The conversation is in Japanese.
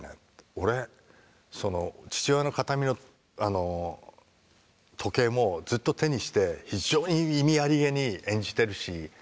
俺その父親の形見の時計もずっと手にして非常に意味ありげに演じてるし。